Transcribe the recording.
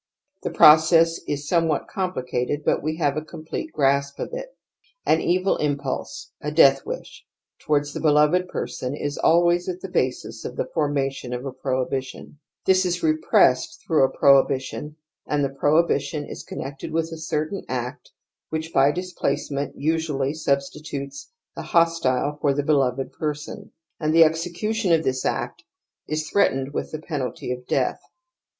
The process is somewhat com plicated but we have a complete grasp of it. An ivil^npulse — a death wish — ^towards the beloved personlsalwa j^V hoblc "^ ^^7epre5§e9*Tfiroiiglia^ iTbition, and the prohibition is connected with a certain act which by displacement Usually sub stitutes the hostile for the beloved person, and the execution of this act is threatened with the penalty of death.